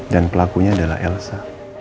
dan pelakunya adalah elsa